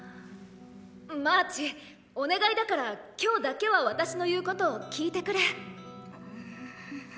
マーチお願いだから今日だけは私の言うことを聞いてくれ。